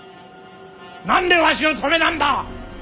何でわしを止めなんだ！